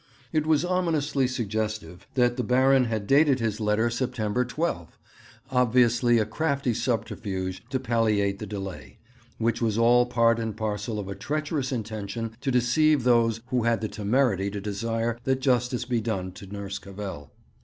It was ominously suggestive that the Baron had dated his letter September 12, obviously a crafty subterfuge to palliate the delay, which was all part and parcel of a treacherous intention to deceive those who had the temerity to desire that justice be done to Nurse Cavell.